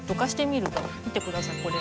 見てくださいこれ。